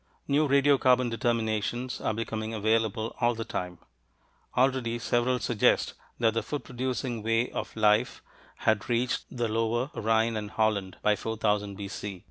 New radiocarbon determinations are becoming available all the time already several suggest that the food producing way of life had reached the lower Rhine and Holland by 4000 B.C.